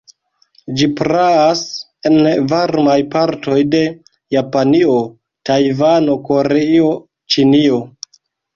Ĝi praas en varmaj partoj de Japanio, Tajvano, Koreio, Ĉinio.